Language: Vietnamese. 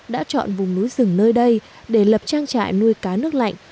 đã chọn vùng núi rừng nơi đây để lập trang trại nuôi cá nước lạnh